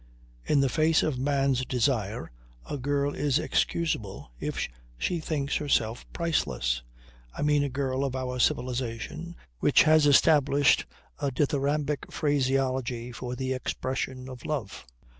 In the face of man's desire a girl is excusable if she thinks herself priceless. I mean a girl of our civilization which has established a dithyrambic phraseology for the expression of love.